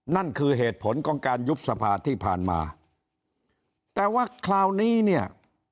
นั่นคือเหตุผลของการยุบสภาที่ผ่านมาแต่ว่าคราวนี้เนี่ย